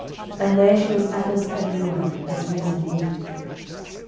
And there she was abbess and ruler, as reason would.